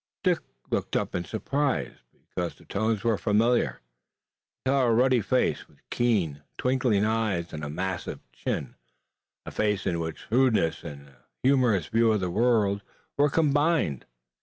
Dick looked up in surprise, because the tones were familiar. He saw a ruddy face, with keen, twinkling eyes and a massive chin, a face in which shrewdness and a humorous view of the world were combined.